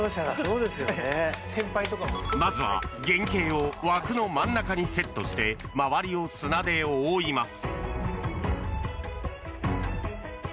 まずは原型を枠の真ん中にセットして周りを砂で覆います。